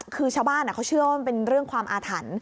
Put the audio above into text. คือชาวบ้านเขาเชื่อว่ามันเป็นเรื่องความอาถรรพ์